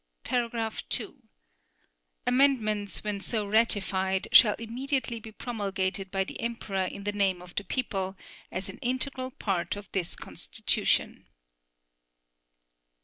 (2) Amendments when so ratified shall immediately be promulgated by the Emperor in the name of the people, as an integral part of this Constitution.